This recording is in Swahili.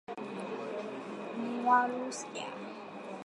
Mualushayi ameongeza kuwa wanajeshi wawili waliuawa wakati wa mapigano hayo